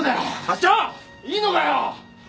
課長いいのかよ？